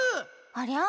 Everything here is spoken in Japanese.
ありゃ？